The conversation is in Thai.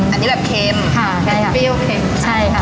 อันนี้แบบเค็มค่ะเค็มเปรี้ยวเค็มใช่ค่ะ